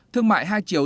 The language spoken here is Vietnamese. thương mại hai chiều